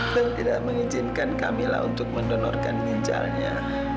dan tidak mengizinkan camilla untuk mendonorkan ginjalnya